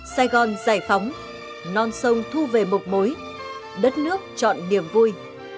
sài gòn giải phóng non sông thu về một mối đất nước chọn niềm vui